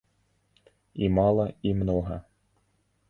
І мала, і многа.